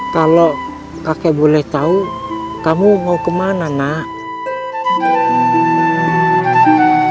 kalo kakek boleh tau kamu mau kemana nak